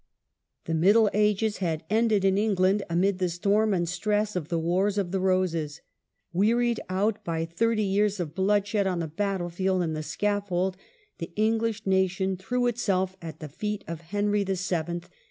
The Middle Ages had ended in England amid the storm and stress of the Wars of the Roses. Wearied out by thirty years of bloodshed on the battlefield The Tudor and the scaffold, the English nation threw government, itself at the feet of Henry VH.